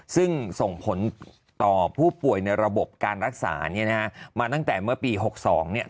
ซึ่งส่งผลต่อผู้ป่วยในระบบการรักษามาตั้งแต่เมื่อปี๖๒